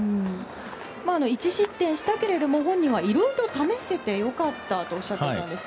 １失点したけども本人は、いろいろ試せてよかったとおっしゃってたんです。